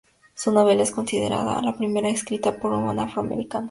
Su novela es considerada la primera escrita por un afroamericano.